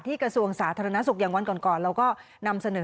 กระทรวงสาธารณสุขอย่างวันก่อนเราก็นำเสนอ